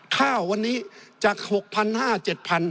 ข้าววันนี้จาก๖๕๐๐๗๐๐บาท